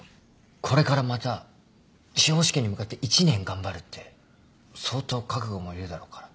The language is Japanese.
これからまた司法試験に向けて一年頑張るって相当覚悟もいるだろうから。